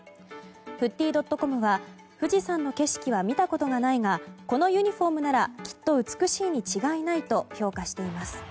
ＦＯＯＴＹ．ＣＯＭは富士山の景色は見たことがないがこのユニホームならきっと美しいに違いないと評価しています。